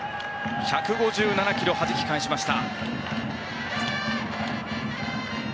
１５７キロをはじき返しました。